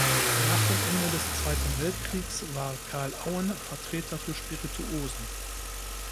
Nach dem Ende des Zweiten Weltkriegs war Carl Auen Vertreter für Spirituosen.